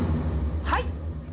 はい。